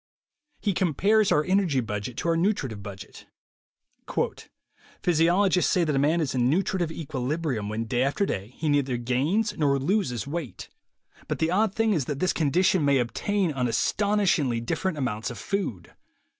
He compares our energy budget to our nutritive budget. "Physiologists say that a man is in 'nutri tive equilibrium' when day after day he neither gains nor loses weight. But the odd thing is that this condition may obtain on astonishingly different amounts of food.